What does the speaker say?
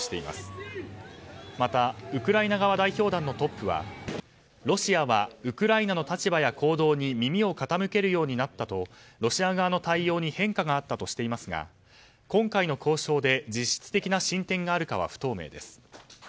またウクライナ側代表団のトップはロシアはウクライナの立場や行動に耳を傾けるようになったとロシア側の対応に変化があったとしていますが今回の交渉で実質的な進展があるかは不透明です。